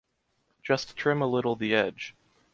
Just trim a little the edge.